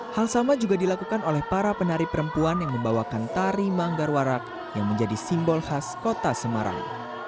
hal sama juga dilakukan oleh para penari perempuan yang membawakan tari manggar warak yang menjadi simbol khas kota semarang